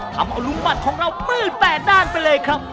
ทำเอาลุงบัตรของเรามืดแปดด้านไปเลยครับ